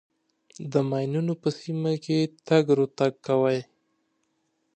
د ماینونو په سیمه کې تګ راتګ کوئ.